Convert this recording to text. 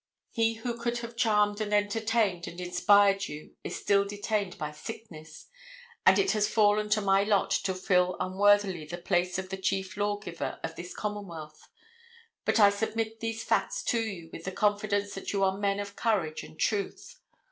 He who could have charmed and entertained and inspired you is still detained by sickness, and it has fallen to my lot to fill unworthily the place of the chief lawgiver of this commonwealth. But I submit these facts to you with the confidence that you are men of courage and truth.